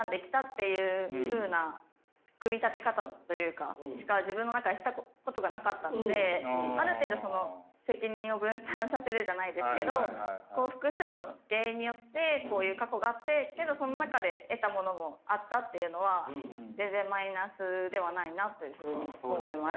いうふうな組み立て方というかしか自分の中でしたことがなかったのである程度責任を分散させるじゃないですけど複数の原因によってこういう過去があってけどその中で得たものもあったっていうのは全然マイナスではないなというふうに思いました。